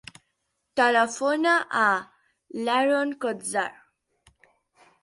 Telefona a l'Haron Cozar.